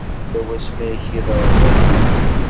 Yella wasmi ay ak-yeḍra waya?